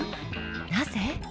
なぜ？